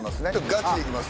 ガチでいきます